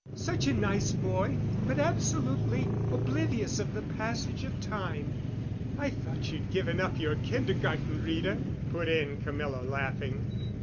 Such a nice boy—but absolutely oblivious of the passage of time." "I thought you'd given up your kindergarten, Rita," put in Camilla, laughing.